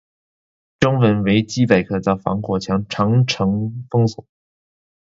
中文维基百科遭到防火长城封锁。